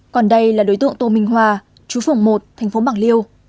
còn đây là đối tượng tô minh hòa chú phường một thành phố bạc liêu